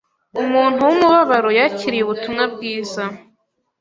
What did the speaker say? umuntu wumubabaro yakiriye Ubutumwa Bwiza